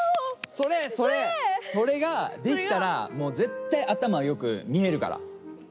それができたらもうぜったい頭よく見えるから。